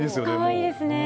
かわいいですね。